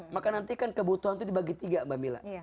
maka nanti kan kebutuhan itu dibagi tiga mbak mila